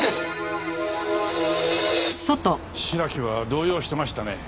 白木は動揺してましたね。